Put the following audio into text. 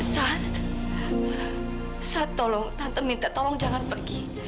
sat sat tolong tante minta tolong jangan pergi